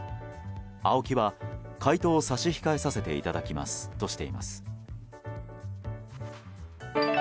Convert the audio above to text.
ＡＯＫＩは回答を差し控えさせていただきますとしています。